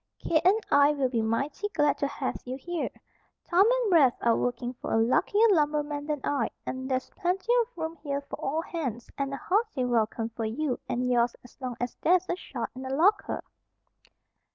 Kate and I will be mighty glad to have you here. Tom and Rafe are working for a luckier lumberman than I, and there's plenty of room here for all hands, and a hearty welcome for you and yours as long as there's a shot in the locker."